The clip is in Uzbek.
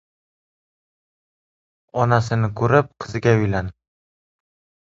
• Onasini ko‘rib, qiziga uylan.